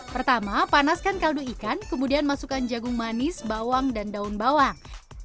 pertama panaskan kaldu ikan kemudian masukkan jagung manis bawang dan daun bawang